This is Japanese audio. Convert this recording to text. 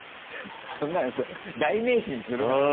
そんなの代名詞にするなよ。